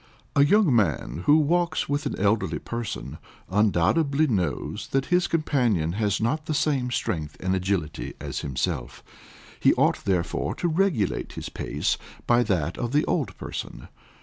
_ A young man who walks with an elderly person, undoubtedly knows that his companion has not the same strength and agility as himself; he ought therefore to regulate his pace by that of the old person.